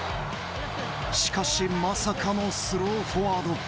しかし、まさかのスローフォワード。